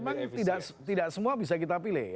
memang tidak semua bisa kita pilih